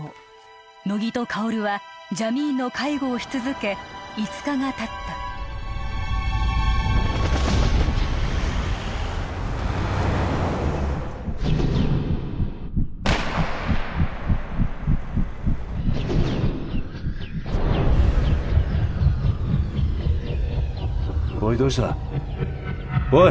乃木と薫はジャミーンの介護をし続け５日がたったおいどうした？おい！